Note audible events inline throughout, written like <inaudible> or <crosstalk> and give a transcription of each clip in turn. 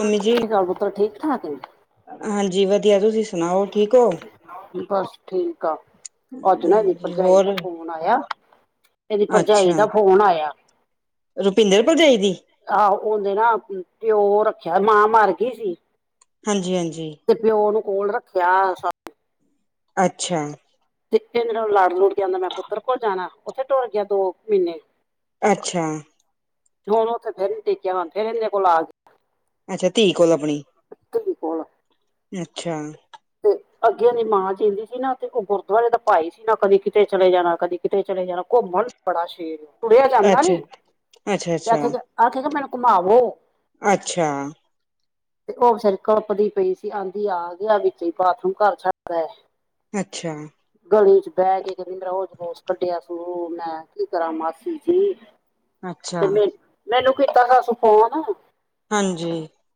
Mummy ਜੀ ਲੇਕੇ ਜਾਓਗੇ ਠੀਕ ਠਾਕ ਹੈ। ਹਾਂਜੀ ਵਧੀਆ ਤੁਸੀਂ ਸੁਣਾਓ ਠੀਕ ਹੋ ਬਸ ਠੀਕ ਆ ਅੱਜ ਨਾ ਦੀ ਹਾਂਜੀ ਭਰਜਾਈ ਹੋਰ ਦਾ ਫੋਨ ਫੋ ਆਇਆ ਤੇਰੀ ਭਰਜਾਈ ਅੱਛਾ ਦਾ ਫੋਨ ਆਇਆ ਰੁਪਿੰਦਰ ਭਰਜਾਈ ਦੀ ਆਹੋ ਉਹਦੇ ਨਾ ਪਿਓ ਰੱਖਿਆ ਮਾਂ ਮਰ ਗਈ ਸੀ। ਹਾਂਜੀ ਹਾਂਜੀ ਤੇ ਪਿਓ ਨੂੰ ਕੋਲ ਰੱਖਿਆ ਅੱਛਾ। ਤੇ ਮਰੇ ਨੂੰ ਲੜ ਲੁੜ ਗਿਆਂਦਾ ਮੈਂ ਪੁੱਤਰ ਕੋਲ ਜਾਣਾ ਉੱਥੇ ਟੁਰ ਗਿਆ ਦੋ ਮਹੀਨੇ ਅੱਛਾ। ਹੁਣ ਥੇਰੀ ਟੇਕਿਆ ਹੋ ਫਿਰ ਇਹਦੇ ਕੋਲ ਆ ਗਿਆ ਅੱਛਾ ਧੀ ਕੋਲ ਆਪਣੀ ਗਿਆ ਧੀ ਅੱਛਾ <unintelligible> ਜਿੰਨਾ ਦੀ ਮਾਂ ਜੀਂਦੀ ਸੀ ਨਾ ਤੇ ਗੁਰਦੁਆਰੇ ਦਾ ਭਾਈ ਸੀ ਨਾ ਕਦੀ ਕਿਤੇ ਚਲੇ ਜਾਣਾ ਕਦੀ ਕਿਤੇ ਚਲੇ ਜਾਣਾ ਘੁੰਮਣ ਬੜਾ ਸ਼ੇਰ ਤੜਿਆ ਜਾਂਦਾ ਨੀ ਅੱਛਾ ਅੱਛਾ ਤੇ ਆਖ ਅੱਛਾ ਆਖਿਆ ਕੇ ਮੈਨੂੰ ਘੁਮਾਵੋ ਅੱਛਾ। ਤੇ ਉਹ ਬਿਚਾਰੀ ਕਲਪਦੀ ਪਈ ਸੀ ਆਂਦੀ ਆ ਗਿਆ ਵਿੱਚ ਹੀ ਬਾਥਰੂਮ ਘਰ ਛੱਡਦਾ ਅੱਛਾ। ਗਲੀ ਚ ਬਹਿ ਕੇ ਉਹ ਜਲੂਸ ਕੱਢਿਆ ਸੀ ਮੈਂ ਕੀ ਕਰਾਂ ਮਾਸੀ ਜੀ ਅੱਛਾ ਤੇ ਮੇ ਮੈਨੂੰ ਕੀਤਾ ਦੱਸ ਫੋਨ ਹਾਂਜੀ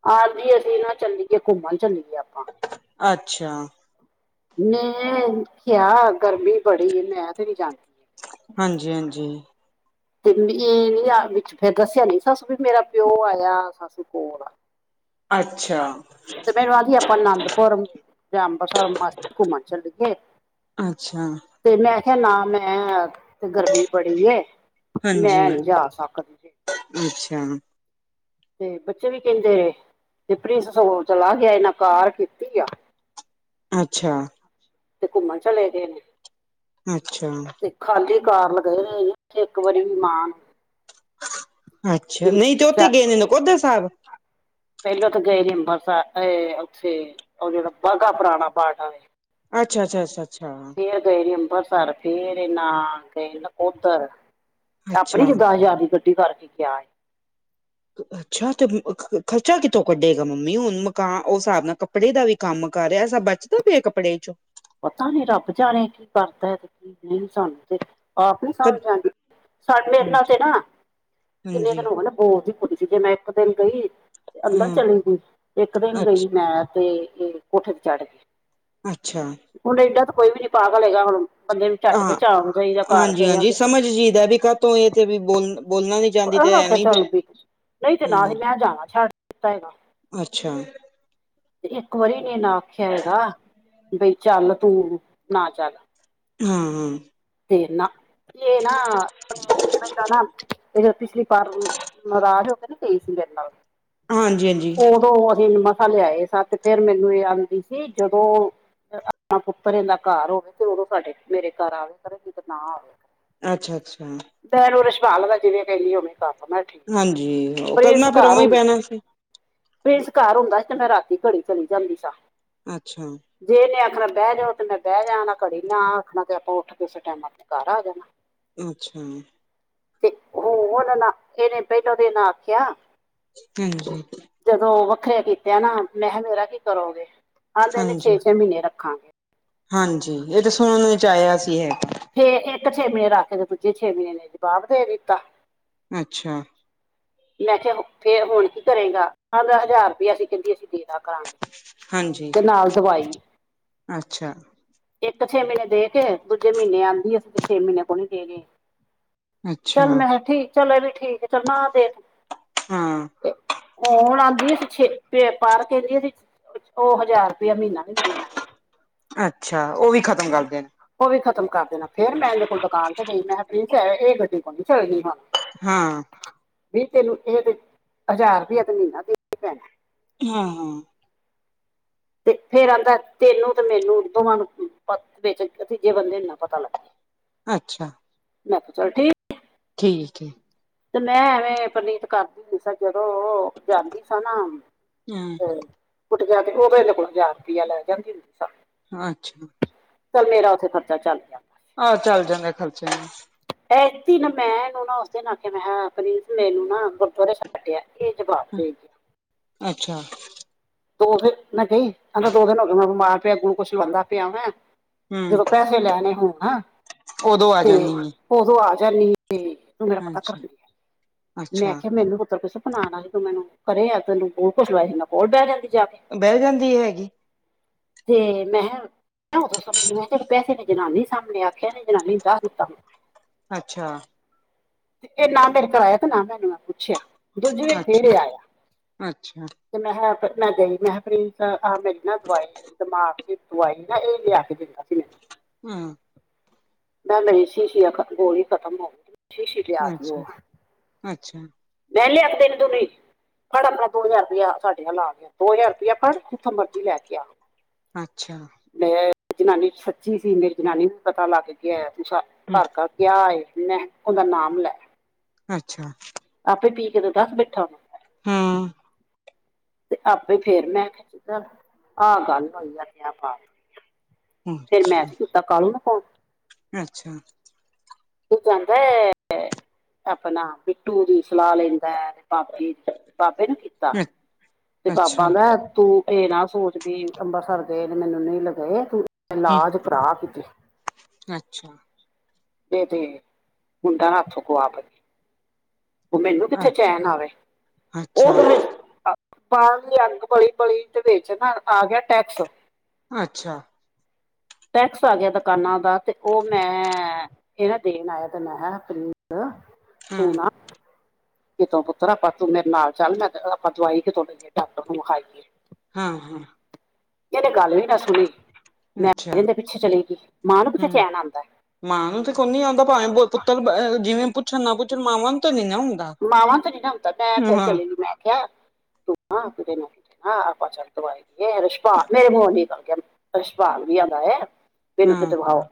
ਹਾਂਜੀ ਅਸੀਂ ਇਹ ਚੱਲੀਏ ਘੁੰਮਣ ਚੱਲੀਏ ਆਪਾਂ ਅੱਛਾ। ਮੈਂ ਕਿਹਾ ਗਰਮੀ ਬੜੀ ਮੈਂ ਤੇ ਨੀ ਜਾਣਾ ਹਾਂਜੀ ਹਾਂਜੀ ਤੇ ਨੀ ਵਿੱਚ ਫਿਰ ਦੱਸਿਆ ਨੀ ਦੱਸੂ ਵੀ ਮੇਰਾ ਪਿਓ ਆਇਆ ਸਸੂ ਕੋਲ ਆ ਅੱਛਾ ਤੇ ਮੈਨੂੰ ਆਦੀ ਆਪਾਂ ਅਨੰਦਪੁਰ ਜਾਂ ਅੰਬਰਸਰ ਮਸਤ ਘੁੰਮਣ ਚੱਲੀਏ ਅੱਛਾ। ਤੇ ਮੈਂ ਕਿਹਾ ਆ ਨਾ ਮੈਂ ਤੇ ਗਰਮੀ ਬੜੀ ਹਾਂਜੀ ਮੈਂ ਨੀ ਜਾ ਸਕਦੀ ਜੇ ਅੱਛਾ ਤੇ ਬੱਚੇ ਵੀ ਕਹਿੰਦੇ ਰਹੇ ਤੇ ਪ੍ਰਿੰਸ ਸਗੋਂ ਚਲਾ ਗਿਆ ਇਹਨਾਂ ਕਾਰ ਕੀਤੀ ਆ ਅੱਛਾ। ਤੇ ਘੁੰਮਣ ਚਲੇ ਗ ਨੇ ਅੱਛਾ। ਤੇ ਖਾਲੀ ਕਾਰ ਲ ਗਏ ਨੇਥੇ ਇੱਕ ਵਾਰੀ ਵੀ ਮਾਂ ਅੱਛਾ ਨੂੰ ਨਹੀਂ ਤੇ ਉੱਥੇ ਚ- ਗਏ ਨੇ ਨਕੋਦਰ ਸਾਹਿਬ ਪਹਿਲਾਂ ਤਾਂ ਗਏ ਅੰਬਰਸਰ ਉੱਥੇ ਉਹ ਜਾ ਬਗਾ ਪੁਰਾਣਾ ਪਾਠ ਆ ਅੱਛਾ ਅੱਛਾ ਅੱਛਾ ਅੱਛਾ। ਫਿਰ ਗਏ ਨੇ ਅੰਮ੍ਰਿਤਸਰ ਫਿਰ ਇਹ ਨਾ ਗਏ ਨਾ ਨਕੋਦਰ ਆਪਣੀ ਅੱਛਾ ਜਿਦਾ ਜ਼ਾਦੀ ਗੱਡੀ ਕਰਕੇ ਕਿਹਾ ਹੈ। <inaudible> ਅੱਛਾ ਤੇ, ਖਰਚਾ ਕਿੱਥੋਂ ਕੱਢੇਗਾ ਮੰਮੀ? ਹੁਣ ਮਕਾਨ ਉਸ ਹਿਸਾਬ ਨਾਲ ਕੱਪੜੇ ਦਾ ਵੀ ਕੰਮ ਕਰ ਰਿਹਾ, ਸਭ ਚ ਕੀ ਪਿਆ, ਕੱਪੜੇ ਚੋ ਪਤਾ ਨੀ, ਰੱਬ ਜਾਣੇ ਕੀ ਕਰਦਾ, ਤੇ ਕੀ ਨਹੀਂ ਸਾਨੂੰ ਤੇ ਆਪ ਨੀ ਸਮਝ ਆਉਂਦੀ ਸਾਡੇ <unintelligible> ਕਿੰਨੇ ਹਾਂਜੀ ਦਿਨ ਹੋ ਗਏ <unintelligible> ਇੱਕ ਦਿਨ ਗਈ, ਤੇ ਅੰਦਰ ਹਾਂ ਚਲੀ ਗਈ, ਇੱਕ ਦਿਨ ਅੱਛ ਗਈ ਮੈਂ ਤੇ ਇਹ ਕੋਠੇ ਤੇ ਚੜ ਅੱਛਾ। ਹੁਣ ਏਡਾਂ ਤਾਂ ਕੋਈ ਵੀ ਨੀ ਪਾਗਲ ਹੈਗਾ ਹੁਣ ਬੰਦੇ ਨੂੰ ਝੱਟ ਹਾਂ ਪਹਿਚਾਣ ਗਏ, ਘਰ ਹਾਂਜੀ ਗਏ ਆ ਹਾਂਜੀ ਕਿਸੇ ਸਮਝ ਜੀਦਾ ਵੀ ਕਾਹਤੋਂ ਇਹ ਤੇ ਵੀ ਬੋਲ ਬੋਲਣਾ ਨੀ ਚਾਹੁੰਦੀ ਆਪ ਤੇ ਐਵੇਂ ਫਿਰ ਚੱਲਦੀ ਨਹੀਂ, ਨਹੀਂ ਤੇ ਨਾ ਸੀ, ਹਾਂਜੀ ਮੈਂ ਜਾਣਾ ਛੱਡ ਦਿੱਤਾ। ਅੱਛਾ। ਤੇ ਇੱਕ ਵਾਰੀ ਨੀ ਇਨਾ ਆਖਿਆ ਹੈਗਾ, ਬਈ ਚੱਲ ਤੂੰ ਨਾ ਚੱਲ। ਹਾਂ -ਹਾਂ,। ਫੇਰ ਨਾ, ਏ ਨਾ ਇਹ ਜਦੋਂ ਪਿਛਲੀ ਪਾਰ ਨੂੰ, ਨਾਰਾਜ ਹੋ ਕੇ ਨਹੀ ਗਈ ਸੀ ਮੇਰੇ ਨਲ। ਹਾਂਜੀ ਹਾਂਜੀ ਉਦੋਂ ਅਸੀ ਇਹਨੂੰ ਮਸਾ ਲਿਆਏ ਸਾ, ਤੇ ਫੇਰ ਮੈਨੂੰ ਇਹ ਆਂਦੀ ਸੀ ਜਦੋਂ ਆਪਣਾ ਪੁੱਤਰ ਏਦਾ ਘਰ ਹੋਵੇ, ਤੇ ਉਹਦੋ ਸਾਡੇ ਮੇਰੇ ਘਰ ਆਵੇ ਨਹੀਂ ਤੇ ਨਾ ਆਵੇ ਕਰ ਅੱਛਾ- ਅੱਛਾ। ਫਿਰ ਉਹ ਰਿਸ਼ਪਾਲ ਜਿਵੇਂ ਕਹਿੰਦੀ ਏ, ਉਵੇਂ ਕਰਲੋ ਮੈਂ ਕਿਹਾ ਠੀਕ ਏ, ਹਾਂਜੀ ਉਹ ਪ੍ਰਿੰਸ ਕਰਨਾ ਫਿਰ ਘਰ ਉਵੇਂ ਹੀ ਹੁੰਦਾ ਪੈਣਾ ਸੀ ਪ੍ਰਿੰਸ ਘਰ ਹੁੰਦਾ ਸੀ, ਤੇ ਮੈਂ ਰਾਤੀ ਘੜੀ ਚਲੀ ਜਾਂਦੀ ਸਾਂ। ਅੱਛਾ। ਜੇ ਇਨੇ ਆਖਣਾ ਬਹਿ ਜਾਓ, ਤੇ ਮੈਂ ਬਹਿ ਜਾਣਾ ਘੜੀ, ਨਾ ਆਖਣਾ ਤੇ ਆਪਾਂ ਉੱਠ ਕੇ ਓਸੇ ਟੈਮ ਆਪਣੇ ਘਰ ਆ ਜਾਣਾ। ਅੱਛਾ। ਤੇ ਉਹ ਹੁਣ ਨਾ ਇਹਨੇ, ਪਹਿਲੋ ਦਿਨ ਆਖਿਆ ਹਮ ਜਦੋਂ ਵੱਖਰੇ ਕੀਤੇ ਨਾ, ਮੈਂ ਕਿਹਾ, ਮੇਰਾ ਕੀ ਕਰੋਗੇ ਆਂਹਦੇ ਨੇ ਛੇ- ਹਾਂਜੀ ਛੇ ਮਹੀਨੇ ਰੱਖਾਂਗੇ। ਹਾਂਜੀ, ਇਹ ਤਾਂ ਸੁਣਨ ਵਿੱਚ ਆਇਆ ਸੀ ਹੈਗਾ। ਫਿਰ ਇੱਕ ਛੇ ਮਹੀਨੇ ਰੱਖ ਕੇ ਤੇ, ਦੂਜੇ ਛੇ ਮਹੀਨੇ ਇਨੇ ਜਵਾਬ ਦੇ ਦਿੱਤਾ। ਅੱਛਾ। ਮੈਂ ਕਿਹਾ, ਫੇਰ ਹੁਣ ਕੀ ਕਰੇਗਾ, ਆਂਦਾ ਹਜ਼ਾਰ ਰੁਪਇਆ ਅਸੀ ਕਹਿੰਦੀ ਅਸੀਂ ਦੇ ਦਿਆ ਕਰਾਂਗੇ ਹਾਂਜੀ ਤੇ ਨਾਲ ਦਵਾਈ ਅੱਛਾ। ਇੱਕ ਛੇ ਮਹੀਨੇ ਦੇ ਕੇ, ਦੂਜੇ ਮਹੀਨੇ ਆਂਹਦੀ ਅਸੀ ਤੇ ਛੇ ਮਹੀਨੇ ਕੋ ਨੀ ਦੇ ਗੇ। ਅੱਛਾ ਚੱਲ ਮੈਂ ਠੀਕ, ਚੱਲ ਇਹ ਵੀ ਠੀਕ ਏ, ਚੱਲ ਨਾ ਦੇਣ ਹਾਂ। <unintelligible> ਉਹ, ਹਜ਼ਾਰ ਰੁਪਇਆ ਮਹੀਨਾ ਵੀ ਨਹੀ ਦੇਣਾ। ਅੱਛਾ, ਉਹ ਵੀ ਖਤ ਉਹ ਵੀ ਖਤਮ ਕਰ ਦੇਣਾ, ਫੇਰ ਮੈਂ ਇਹਦੇ ਕੋਲ ਦੁਕਾਨ ਤੇ ਗਈ, ਮੈਂ ਕਿਹਾ, ਪ੍ਰਿੰਸ ਹੈ ਇਹ ਗੱਡੀ ਕੋਨੀ ਚੱਲਣੀ ਮੱਖਾਂ ਹਾਂ। ਵੀ ਤੈਨੂੰ ਇਹ ਤੇ, ਹਜ਼ਾਰ ਰੁਪਇਆ ਤੇ ਮਹੀਨਾ ਦੇਣਾ ਈ ਪੈਣਾ। ਹਾਂ -ਹਾਂ। ਤੇ ਫੇਰ ਆਂਹਦਾ ਤੈਨੂੰ ਤੇ ਮੈਨੂੰ ਦੋਵਾਂ ਨੂੰ ਵਿੱਚ, ਤੀਜੇ ਬੰਦੇ ਨੂੰ ਨਾ ਪਤਾ ਲੱਗੇ। ਅੱਛਾ। ਮੈ ਕਿਹਾ, ਚੱਲ ਠੀਕ ਠੀਕ ਏ। ਤੇ ਮੈਂ ਐਵੇਂ, ਪਰਨੀਤ ਘਰ ਗਈ ਸਾ ਜਦੋਂ ਜਾਂਦੀ ਸਾ ਨਾ, ਹਾਂ ਤੇ ਕੋਠੇ ਤੇ ਜਾ ਕੇ, ਉਹ ਫਿਰ ਐਦੇ ਕੋਲ ਹਜ਼ਾਰ ਰੁਪਇਆ ਲੈ ਜਾਂਦੀ ਹੁੰਦੀ ਸਾ ਅੱਛਾ। ਚੱਲ ਮੇਰਾ ਉੱਥੇ ਖਰਚਾ ਚੱਲ ਗਿਆ। ਆਹ ਚੱਲ ਜਾਂਦੇ ਖਰਚੇ ਨੂੰ ਇਕ ਦਿਨ ਮੈਂ ਐਨੂੰ ਨਾ ਉਸ ਦਿਨ ਆਖਿਆ ਮੈਂ ਕਿਹਾ ਪ੍ਰਿੰਸ ਮੈਂਨੂੰ ਨਾ, ਗੁਰਦੁਆਰੇ ਛੱਡ ਆ। ਇਹ ਜਵਾਸ ਜੀ ਅੱਛਾ। ਦੋ ਦਿਨ ਮੈਂ ਗਈ, ਕਹਿੰਦਾ ਦੋ ਦਿਨ ਹੋ ਗਏ ਮੈਂ ਬਿਮਾਰ ਪਿਆ ਗੁਲੂ ਕੁੱਸ਼ ਲਵਾਂਦਾ ਪਿਆ ਮੈਂ, ਹਮ ਜਦੋਂ ਪੈ ਸੇ ਲੈਣੇ ਹੋਣਾਂ ਉਦੋਂ ਆ ਜਾਂਨੀ ਏਂ। ਉਦੋਂ ਆ ਜਾਂਨੀ ਏਂ, ਤੂੰ ਮੇਰਾ ਪਤਾ ਅੱਛਾ ਕਰਨ, ਅੱਛਾ ਮੈਂਖਿਆ ਮੈਨੂੰ ਪੁੱਤਰ ਕੁਛ ਬਣਾਣਾ ਤੂੰ ਮੈਨੂੰ, ਕਰੇ ਆ ਤੈਨੂੰ ਗੋਲ ਕੁਛ ਲਵਾਇਆ ਸੀ ਮੈਂ ਕੋਲ ਬਹਿ ਜਾਂਦੀ ਜਾ ਕੇ ਬਹਿ ਜਾਂਦੀ ਹੈਗੀ। ਤੇ ਮੈਂ ਆ ਤੂੰ ਮੈਂ ਕਿਹਾ ਤੇ ਪੈਸੇ ਨੇ ਜਨਾਨੀ ਸਾਹਮਣੇ ਆਖਿਆ ਜਨਾਨੀ ਨੂੰ ਦੱਸ ਦਿੱਤਾ ਅੱਛਾ ਏ ਨਾ ਮੇਰੇ ਕਰ ਆਇਆ ਤੇ ਨਾ ਮੈ ਐਨੂੰ ਨਾ ਮੈਂ ਪੁੱਛਿਆ, ਦੂਜੀੇ ਵਰੀ ਫੇਰ ਅੱਛਾ ਏ ਆਇਆ ਅੱਛਾ ਤੇ ਮੈਂ ਕਿਹਾ ਮੈਂ ਗਈ, ਮੈਂ ਕਿਹਾ ਪ੍ਰਿੰਸ ਆਹ ਮੇਰੀ ਨਾ ਦਵਾਈ ਦਿਮਾਗ ਦੀ ਦਵਾਈ ਨਾ ਇਹ ਲਿਆ ਕੇ ਦਿੰਦਾ ਸੀ ਮੈਨੂੰ। ਹੂੰ ਮ ਨਹੀਂ ਸੀ ਸੀਤ ਬੋਲ ਹੀ ਖਤਮ ਹੋ <unintelligible> ਲਿਆ ਅੱਛਾ, ਅੱਛਾ। ਵਹ ਲ ਇੱਕ ਦਿਨ ਦਨ <unintelligible> ਫੜ੍ਹ ਆਪਣਾ ਦੋ ਹਜ਼ਾਰ ਰੁਪਇਆ ਸਾਡੀਆਂ ਲਾਆਂ ਦੋ ਹਜ਼ਾਰ ਰੁਪਇਆ ਫੜ੍ਹ, ਜਿੱਥੋਂ ਮਰਜੀ ਲੈ ਕੇ ਆ। ਅੱਛਾ। ਮੈਂ ਜਨਾਨੀ ਸੱਚੀ ਸੀ ਮੇਰੀ ਜਨਾਨੀ ਨੂੰ ਪਤਾ ਲਾਗ ਗਿਆ ਕੇ ਆਇਆ ਤੂੰ ਹਮ ਘਰ ਘਰ ਗਿਆ ਏ ਮੈਂ ਉਹਦਾ ਨਾਮ ਲੈ ਅੱਛਾ। ਆਪੇ ਪੀ ਕੇ ਤੇ ਦੱਸ ਬੈਠਾ। ਹਾਂ ਤੇ ਆਪੇ ਫੇਰ ਮੈਂ ਖ, ਆਹ ਗੱਲ ਹੋਈ ਆ ਪਾ ਫੇਰ ਮੈਂ ਤੇ ਕਿਤਾ ਕਾਲੂ਼ ਨੂੰ ਫੋਨ। ਅੱਛਾ। ਓ ਕੈਂਨਦੈ, ਅਪਨਾ ਬਿੱਟੂ ਦੀ ਸਲਾਹ ਲੈਂਦੈ। ਬਾਬੇ ਬਾਬੇ ਨੂੰ ਕੀਤਾ, ਅੱਛਾ ਅੱਛਾ ਤੇ ਹਮ ਬਾਬਾ ਅੱਛਾ ਦਾ ਤੂੰ ਇਹ ਨਾ ਸੋਚ ਵੀ ਅੰਬਰਿਤਸਰ ਗਏ ਨੇ ਮੈਨੂੰ ਨ ਲਗੇ ਤੂੰ ਇਲਾਜ ਕਰਾ ਕਿਤੇ ਅੱਛਾ। ਤੇ ਤੇ, ਮੁੰਡਾ ਹੱਥੋਂ ਗਆ ਪਈ ਏਂ ਉਹ ਮੈਨੂੰ ਕਿੱਥੇ ਚੈਨ ਆਵੇ, ਉਹਦੇ ਬਾਹਰਲੀ ਅੰਗ ਬਲੀ ਬਲੀ ਦੇ ਵੇਚ ਨਾ ਆ ਗਿਆ ਟੈਕਸ ਅੱਛਾ। ਟੈਕਸ ਆ ਗਿਆ ਦੁਕਾਨਾਂ ਦਾ ਤੇ ਉਹ ਮੈਂ, ਇਹ ਨਾ ਦੇਣ ਆਇਆ ਤੇ ਮੈਂਰੀ ਹਾਂ ਤੂਣਾ ਕਿਤੋਂ ਪੁੱਤਰ ਆਪਾਂ ਤੂੰ ਮੇਰੇ ਨਾਲ ਚੱਲ ਮੈਂ ਆਪਾਂ ਦਵਾਈ ਕਿਤੋਂ ਲਈਏ ਡਾਕਟਰ ਨੂੰ ਵਿਖਾਈਏ ਹਾਂ ਹਾਂ ਇਹਹਦੇ ਗੱਲ ਵੀ ਨਾ ਸੁਣੀ, ਮੈਂ ਕ ਅੱਛਾ ਕਹਿੰਦੇ ਪਿੱਛੇ ਚਲੇ ਗਈ, ਮਾਂ ਨੂੰ ਕਿੱਥੇ ਹੂੰ ਚੈਨ ਆਉਂਦੈ? ਮਾਂ ਨੂੰ ਤੇ ਕੋ ਨੀ ਆਉਂਦਾ ਭਾਵੇਂ ਪੁੱਤਰ ਬ ਬ ਜਿਵੇਂ ਪੁੱਛਣ ਨਾ ਪੁੱਛਣ ਮਾਵਾਂ ਨੂੰ ਤਾਂ ਨੀ ਨਾ ਮਾਵਾਂ ਤੇ ਨ ਨਾ ਹਉੁੰਦਾ ਮੈਂ ਫੇਰ ਹਾਂ ਚਲੇ ਨੂੰ ਮੈਂ ਆਖਿਆ ਤੂੰ ਆਪ ਚ <unintelligible> ਦਵਾਈ ਰਛਪਾਲ ਮੇਰੇ ਮ ਗਲਕੇ ਰਛਪਾਲ ਵੀ ਆਉਂਦਾ ਏ ਮੈਨੂੰ ਹਾਂ ਕਿਤੇ ਆਓ,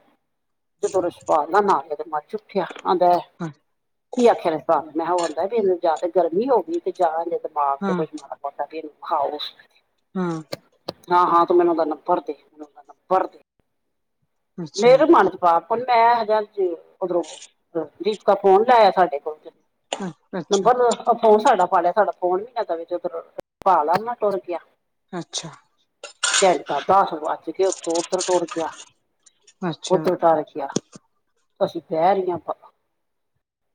ਜਦੋਂ ਰਛਵਾ ਲ ਨਾਲਿਆ ਤੇ ਮਰ ਚ ਉੱਠਿਆ ਆਂਦਾ <unintelligible> ਹਾਂ ਕੀ ਆਖਿਆ ਰ ਸ ਮੈਂ ਕਿਹਾ ਆਉਂਦੈ ਵੀ ਇਹਨੂੰ ਜਾ ਤੇ ਗਰਮੀ ਹੋ ਗਈ, ਤੇ ਜਾ ਇਹਦੇ ਦਿਮਾਗ ਤੇ ਹਾਂ ਕੁੱਝ ਮ ਮਟ ਵੀਖਾ <unintelligible> ਹਾਂ ਹਾਂ ਹਾਂ ਤੇ ਮੈਨੂੰ ਉਹਦਾ ਨੰਬਰ ਤੇ ਮੈਨੂੰਦਾ ਨੰਬਰ ਦੇ ਅੱਛਾ ਮੇਰੇ ਮਨ ਚ ਪਾਪ ਮੈਂ ਹਜਾ ਉਧਰੋਂ ਦੀਪਿਕਾ ਫੋਨ ਲਾਇਆ ਸਾਡੇ ਕੋਲ ਫ ਅੱਛਾ <unintelligible> ਫੋਨ ਸਾਡਾ ਪਾ ਲਿਆ ਸਾਡਾ ਫੋਨ ਮਹੀਨਾ ਦਾਵੇ ਜ ਪਾ ਲਾ ਉਹਨਾ ਤੁਰ ਗਿਆ ਅੱਛਾ ਦੱਸ ਵੱਜ ਕੇ ਉੱਥੋਂ ਉੱਧਰ ਟੁੜ ਗਿਆ ਉਹ ਅੱਛਾ ਤਲਟਾ ਰੱਖਿਆ ਅਸੀਂ ਬਹਿ ਰਹੀ ਹਾਂ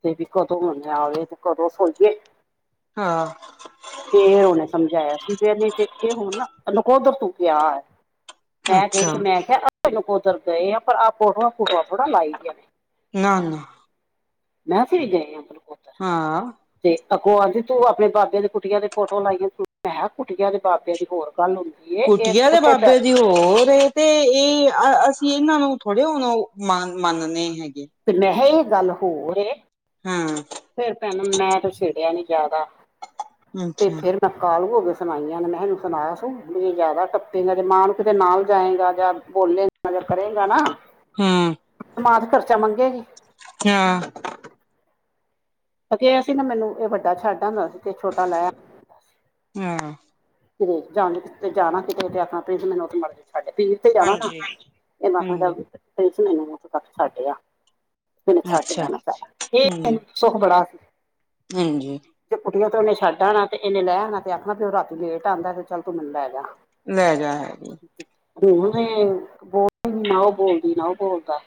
ਤੇ ਵੀ ਕਦੋਂ ਮੰਨਿਆ ਆਵੇ ਤੇ ਕਦੋਂ ਸੋਈਏ ਹਾਂ ਫੇਰ ਉਹਨੇ ਸਮਝਾਇਆ ਸਮਝਾਇਆ ਨਹੀਂ ਤੇ ਇਹ ਹੁਣ ਨਾ ਤ ਨਕੋਦਰ ਤੂੰ ਕਿਹਾ ਮੈਂ ਗਈ ਅੱਛਾ ਤੇ ਮੈਂ ਕਿਹਾ ਮੈਨੂੰ ਉਧਰ ਗਏ ਆ ਪਰ ਆਪ ਉੱਠ ਠਆ ਥੋੜਾ ਲਾਈ ਦੀਆਂ ਨੇ ਨਾ ਨਾ ਮੈਂ ਫਿਰ ਗਏ ਆ ਗਲਪੋਤਰ <unintelligible> ਹਾਂ ਤੇ ਅੱਗੋ ਆਂਦੀ ਤੂੰ ਆਪਣੇ ਬਾਬੇ ਦੇ ਕੁੱਟੀਆਂ ਦੇ ਫੋਟੋ ਲਾਈਏ ਤੂੰ ਮ ਕਿਹਾ ਕੁਠੀਆਂ ਦੇ ਬਾਬੇ ਦੀ ਹੋਰ ਕੱਲ ਨੂੰ ਕੁਟੀਆਂ ਦੇ ਬਾਬੇ ਦੀ ਹੋਰ ਤੇ ਇਹ ਅਸੀਂ ਇਹਨਾਂ ਨੂੰ ਥੋੜੇ ਹੁਣ ਮੰਨਣੇ ਹੈਗੇ ਤੇ ਮੈਂ ਕਿਹਾ ਇਹ ਗੱਲ ਹੋਰ ਹਾਂ ਫਿਰ ਭੈਣ ਮੈਂ ਤੇ ਛੇੜਿਆ ਨੀ ਜ਼ਿਆਦਾ ਤੇ ਅੱਛਾ ਫਿਰ ਨਾ ਕਾਲੂ ਹੋ ਕੇ ਸੁਣਾਈਆਂ ਨੇ ਮੈਂਨੂੰ ਸੁਣਾ ਤ ਵੀ ਜੇ ਜ਼ਿਆਦਾ ਟੱਪੇਗਾ ਜੇ ਮਾਂ ਨੂੰ ਕਿਤੇ ਨਾਲ ਜਾਏਗਾ ਜਾਂ ਬੋਲੇ ਕਰੇਗਾ ਨਾ ਹਾਂ ਮਾਂ ਤੇ ਖਰਚਾ ਮੰਗੇਗੀ ਹਾਂ ਅਸੀਂ ਨਾ ਮੈਨੂੰ ਇਹ ਵੱਡਾ ਛੱਡ ਆਦਾ ਸੀ ਤੇ ਛੋਟਾ ਲੈ ਹਾਂ ਕਿਤੇ ਜਾਂ ਜ ਕਿਤੇ ਜਾਣਾ ਕਿਤੇ ਆਖਣਾ ਪਲੀਜ਼ ਮੈਨੂੰ ਉਹ ਮੜ ਜਾ ਛੱਡ ਪੀਰ ਤੇ ਜਾਣਾ ਨਾ ਹਾਂਜੀ ਇਹ ਮਾਥਥ ਹਾਂਜੀ ਤੱਕ ਛੱਡ ਆ ਮੈਨੂੰ ਛੱਟ ਅੱਛਾ ਜਾਣਾ ਪਾਇਆ ਹਾਂਜੀ ਇਹੈਨੂੰ ਸੁੱਖ ਬੜਾ ਸੀ ਹਾਂਜੀ ਤੇੇ ਉੱਠਏ ਤੇ ਉਹਨੇ ਛੱਡ ਆਣਾ ਤੇ ਇਹਨ ਲੈ ਆਣਾ ਤੇ ਆਖਣਾ ਵੀ ਉਹ ਰਾਤੀ ਲੇਟ ਆਉਂਦਾ ਤੇ ਚੱਲ ਤੂੰ ਮੈਨੂੰ ਲੈ ਜਾ ਲੈ ਜਾ ਹੈ ਜੀ ਬੋਲ ਨਾ ਉਹ ਬੋਲਦੀ ਨਾ ਉਹ ਬੋਲਦਾ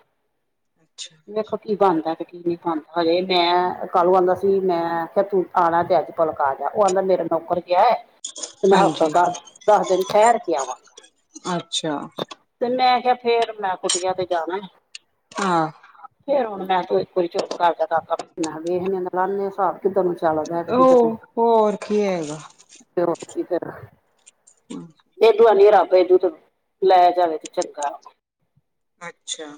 ਅੱਛਾ ਦੇਖੋ ਕੀ ਬਣਦਾ ਤੇ ਕੀ ਨਹੀਂ ਬਣਦਾ ਹਜੇ ਮੈਂ ਕੱਲ ਆਉਂਦਾ ਸੀ ਮੈਂ ਆ ਤੂੰ ਆਉਣਾ ਤੇ ਅੱਜ ਕੱਲ ਆ ਜਾ ਉਹ ਕਹਿੰਦਾ ਮੇਰਾ ਨੌਕਰ ਗਿਆ ਤੇ ਮੈਂ ਹਫ਼ਤਾ ਹਾਂਜੀ ਘਰ ਦਸ ਦਿਨ ਠਹਿਰ ਕੇ ਅੱਛਾ ਆਵਾਂਗਾ ਤੇ ਮੈਂ ਕਿਹਾ ਫੇਰ ਮੈਂ ਕੁਟਿਆ ਤੇ ਜਾਣਾ ਹਾਂ ਫੇਰ ਹੁਣ ਮੈਂ ਤੂੰ ਇੱਕ ਵਾਰੀ ਚੁੱਪ ਕਰਕੇ ਤ ਵੇਖ ਲਾੇ ਹਬ ਕਿੱਦਾਂ ਨੂੰ ਚੱਲਦਾ ਤੇ ਕਿੱਧਰ ਨੂੰ ਉਹ ਹੋਰ ਕੀ ਹੈਗਾ ਕੀ ਹਮ ਦੋਂ ਆਨੀ ਰੱਬ ਦੂ ਤੇ ਲੈ ਜਾਵੇ ਤੇ ਚੰਗਾ ਅੱਛਾ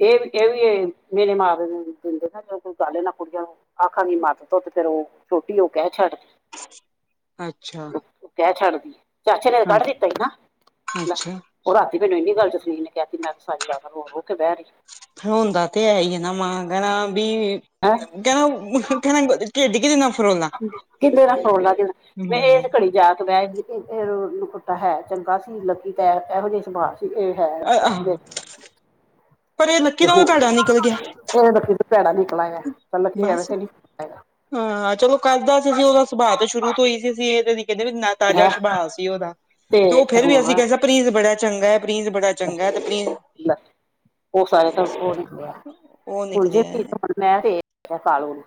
ਇਹ ਵੀ ਇਹ ਵੀ ਮੇਲੇ ਮਾਂ ਨੂੰ ਦਿੰਦੇ ਨਾ ਜ ਕੋਈ ਗੇ ਨਾ ਕੁੜੀਆਂ ਨੂੰ ਆਖਾਂਗੀ ਮੱਦ ਤੋ ਤੇ ਫੇਰ ਉਹ ਛੋਟੀ ਉਹ ਕਹਿ ਛੱਡ ਅੱਛਾ ਕਹਿ ਛੱਡਦੀ ਚਾਚੇ ਨੇ ਕੱਢ ਦਿੱਤਾ ਸੀ ਨਾ ਮੈਂ ਅੱਛਾ ਉਹ ਰਾਤੀ ਮੈਨੂੰ ਇੰਨੀ ਗੱਲ ਜਸਲੀ ਨੇ ਕਿਹਾ ਮੈਂ ਸਾਰੀ ਲਾ ਰੋ ਰੋ ਕੇ ਬਹਿ ਰਹੀ ਖੋਦਾ ਤੇ ਹੈ ਹੀ ਹੈ ਨਾ ਮਾਂ ਕਹਿਣਾ ਵੀ ਹੈ ਕਹਿੰਦਾ- ਕਹਿੰਦਾ ਢਿੱਡ ਕਿਹਦੇ ਨਾਲ ਫਰੋਲਾ। ਕਿਹਦੇ ਨਾਲ ਫਰੋਲ ਲਾ ਕਹਿੰਦਾ, ਮੈਂ ਇਹ ਜਾ ਕੇ ਤਾਂ ਆਏ ਸੀ। ਇਹ- ਇਹ ਨਖੁੱਟਾ ਹੈ, ਚੰਗਾ ਸੀ ਲੱਕੀ ਤੈ ਇਹੋ ਜਿਹੇ ਸੁਭਾ ਸੀ, ਇਹ ਹੈ ਇਹ ਆਹ ਦੇ- ਪਰ ਇਹ ਲੱਕੀ ਦੇਖੋ ਨਾਲੋ ਭੈੜਾ ਨਿਕਲ ਗਿਆ। ਇਹ ਲੱਕੀ ਨਾਲੋਂ ਭੈੜਾ ਨਿਕਲ ਆਇਆ, ਪਰ ਲੱਕੀ ਐਵੇਂ ਬਸ ਤਾਂ ਨੀ ਹਾਂ ਚਲੋ ਕਰਦਾ ਸੀ, ਉਹਦਾ ਸੁਭਾਅ ਸ਼ੁਰੂ ਤੋਂ ਉਹੀ ਸੀ, ਇਹ ਨੀ ਅਸੀਂ ਕਹਿੰਦੇ ਵੀ ਤਾਜ਼ਾ ਹੈ ਸੁਭਾਅ ਸੀ ਉਹਦਾ, ਤੇ ਉਹ ਫੇਰ ਵੀ ਅਸੀਂ ਕਹਿੰਦੇ ਪ੍ਰਿੰਸ ਬੜਾ ਚੰਗਾ। ਪ੍ਰਿੰਸ ਬੜਾ ਚੰਗਾ, ਤੇ ਪ੍ਰਿੰਸ ਲੈ, ਉਹ ਸਾਰੇ ਤਾਂ ਉਹ ਨੇ, ਹਾਂਜੀ ਉਹ ਹਾਂ ਨਿਕਲਿਆ ਮੈਂ ਭੇਜਦੀ ਆਂ ਕਾਲੂ ਨੂੰ।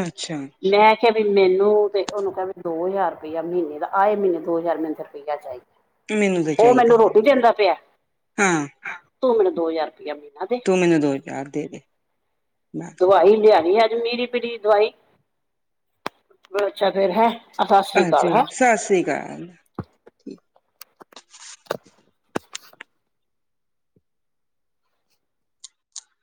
ਅੱਛਾ, ਮੈਂ ਕਿਹਾ ਵੀ ਮੈਨੂੰ ਤੇ ਉਹਨੂੰ ਕਿਹਾ, ਵੀ ਦੋ ਹਜ਼ਾਰ ਰੁਪਇਆ ਮਹੀਨੇ ਦਾ, ਆਏ ਮਹੀਨੇ ਦੋ ਹਜ਼ਾਰ ਮੈਨੂੰ, ਫਿਰ ਠੀਕ ਐ ਤਾਈ, ਮੈਨੂੰ ਤਾਂ ਉਹ ਮੈਨੂੰ ਚਾਹੀਦਾ ਰੋਟੀ ਦਿੰਦਾ ਪਿਆ। ਹਾਂ, ਤੂੰ ਮੈਨੂੰ ਦੋ ਹਜ਼ਾਰ ਰੁਪਇਆ ਮਹੀਨਾ ਦੇ। ਤੂੰ ਮੈਨੂੰ ਦੋ ਹਜ਼ਾਰ ਦੇ ਦੇ, ਮੈਂ ਦਵਾਈ ਲਿਆਣੀ ਐ ਅੱਜ ਮੀਰੀ ਪੀੜੀ ਦੀ ਦਵਾਈ, ਅੱਛਾ ਫੇਰ ਹੈ ਸਤਿ ਸ੍ਰੀ ਅਕਾਲ ਅੱਛਾ, ਹੈ ਸਸ ਰੀ ਕਾਲ।